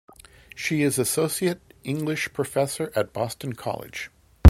She is associate English professor at Boston College.